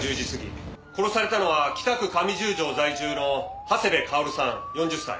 殺されたのは北区上十条在住の長谷部薫さん４０歳。